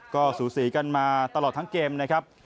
ก็สูสีกันมาตลอดทั้งเกมนะครับ